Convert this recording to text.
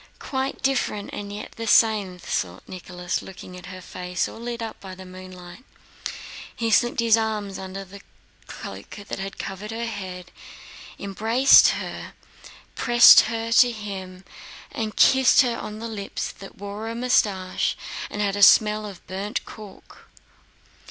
"Quite different and yet the same," thought Nicholas, looking at her face all lit up by the moonlight. He slipped his arms under the cloak that covered her head, embraced her, pressed her to him, and kissed her on the lips that wore a mustache and had a smell of burnt cork.